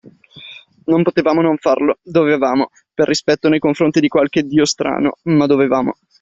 Non potevamo non farlo, dovevamo, per rispetto nei confronti di qualche dio strano, ma dovevamo.